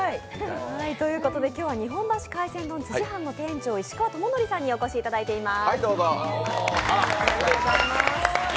今日は、日本橋海鮮丼つじ半の店長、石川知徳さんにお越しいただいています。